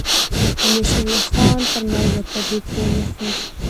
امیر شېرعلي خان تر مرګه په دې پوه نه شو.